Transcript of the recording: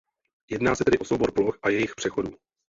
Jedná se tedy o soubor ploch a jejich přechodů.